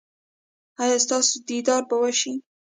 ایا ستاسو دیدار به وشي؟